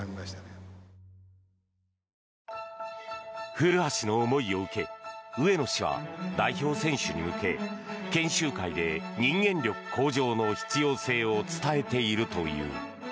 古橋の思いを受け上野氏は代表選手に向け研修会で人間力向上の必要性を伝えているという。